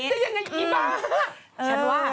คิดได้ยังไงอีบ้า